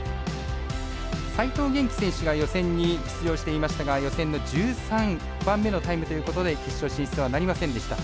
齋藤元希選手が予選に出場していましたが予選の１３番目のタイムということで決勝進出はなりませんでした。